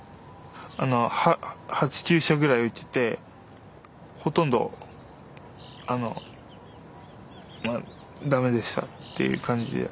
８９社ぐらい受けてほとんどあの駄目でしたっていう感じで。